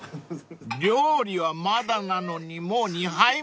［料理はまだなのにもう２杯目⁉］